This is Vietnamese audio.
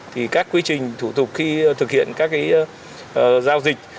thì các quy trình thủ tục khi thực hiện các cái giao dịch